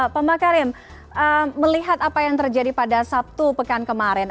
pak makarim melihat apa yang terjadi pada sabtu pekan kemarin